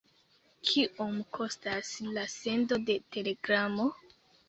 Kiom kostas la sendo de telegramo?